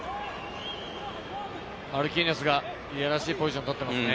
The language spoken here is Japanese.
マルキーニョスがいやらしいポジション取ってますね。